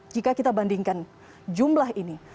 jika kita bandingkan jumlah ini